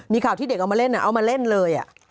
มีข่าวที่เด็กเอามาเล่นเอามาเล่นเลย